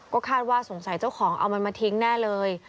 ก็คาดว่าสงสัยเจ้าของเอามันมาทิ้งแน่เลย